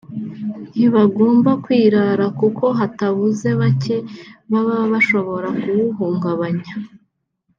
ntibagomba kwirara kuko hatabuze bake baba bashobora kuwuhungabanya